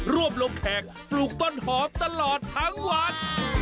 วบลงแขกปลูกต้นหอมตลอดทั้งวัน